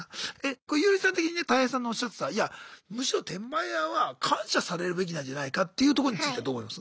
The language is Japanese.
ユーリさん的にタイヘイさんのおっしゃってた「いやむしろ転売ヤーは感謝されるべきなんじゃないか」っていうとこについてはどう思います？